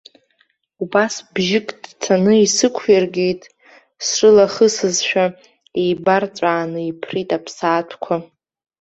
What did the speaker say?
Убас бжьык ҭцаны исықәиргеит, срылахысызшәа, еибарҵәааны иԥрит аԥсаатәқәа.